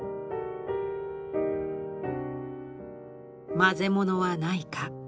混ぜ物はないか。